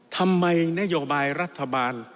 ทำไมนโยบายรัฐบาล